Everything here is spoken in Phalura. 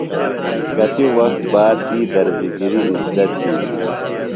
کتیۡ وخت باد تی درزیۡ گِری اِزدہ تِھیلیۡ۔